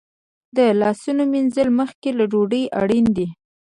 د لاسونو مینځل مخکې له ډوډۍ اړین دي.